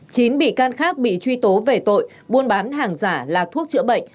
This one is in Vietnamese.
chín bị can khác bị truy tố về tội buôn bán hàng giả là thuốc chữa bệnh